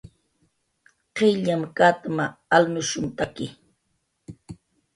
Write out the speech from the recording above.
qillyam katma, alnushumtaki